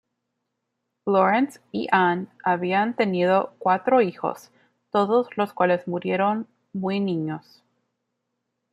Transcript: Lawrence y Anne habían tenido cuatro hijos, todos los cuales murieron muy niños.